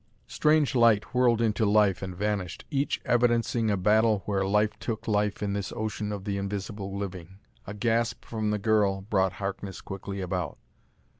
Strange light whirled into life and vanished, each evidencing a battle where life took life in this ocean of the invisible living. A gasp from the girl brought Harkness quickly about.